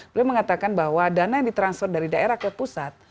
beliau mengatakan bahwa dana yang ditransfer dari daerah ke pusat